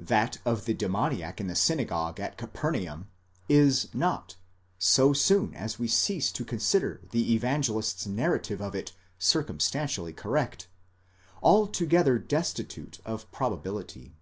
that of the demoniac in the synagogue at Capernaum, is not, so soon as we cease to consider the Evangelist's narrative of it circum stantially correct, altogether destitute of probability.